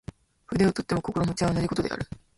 筆を執とっても心持は同じ事である。